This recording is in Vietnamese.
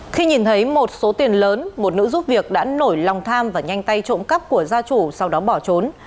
khi nhìn thấy một số tiền lớn một nữ giúp việc đã nổi lòng tham và nhanh tay trộm cắp của gia chủ sau đó bỏ trốn